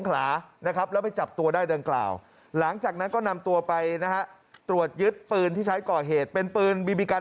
เลยจับตัวได้เรื่องกราวหลังจากนั้นก็นำตัวไปนะฮะตรวจยึดปืนที่ใช้ก่อหรือเป็นปืนบีบีกรัน